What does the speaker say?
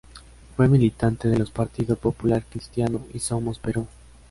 Fue militante de los Partido Popular Cristiano y Somos Perú.